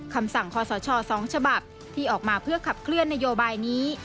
คำสั่งคอสช๒ฉบับที่ออกมาเพื่อขับเคลื่อนนโยบายนี้